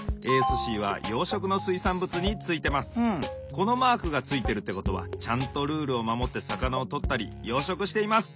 このマークがついているってことはちゃんとルールをまもってさかなをとったり養殖しています！